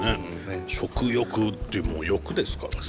食欲ってもう欲ですからね。